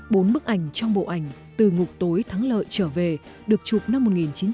bốn bức ảnh trong bộ ảnh từ ngục tối thắng lợi trở về được chụp năm một nghìn chín trăm bảy mươi